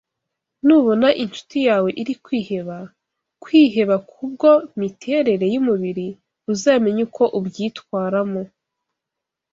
Nubona inshuti yawe iri kwiheba kwiheba kubwo miterere y’umubiri uzamenye uko ubyitwaramo